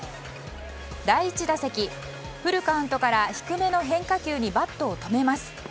第１打席、フルカウントから低めの変化球にバットを止めます。